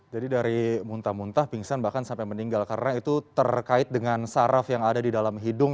jadi dari muntah muntah pingsan bahkan sampai meninggal karena itu terkait dengan saraf yang ada di dalam hidung